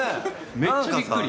めっちゃびっくり。